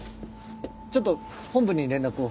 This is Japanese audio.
ちょっと本部に連絡を。